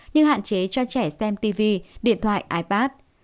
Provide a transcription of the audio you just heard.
như hạn chế cho trẻ xem tv điện thoại ipad